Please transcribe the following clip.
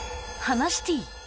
「ハナシティ」。